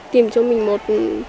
tìm cho mình một